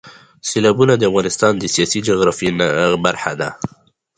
سیلابونه د افغانستان د سیاسي جغرافیه برخه ده.